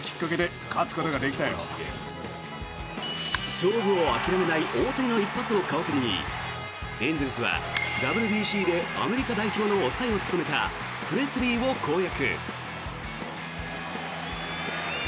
勝負を諦めない大谷の一発を皮切りにエンゼルスはＷＢＣでアメリカ代表の抑えを務めたプレスリーを攻略。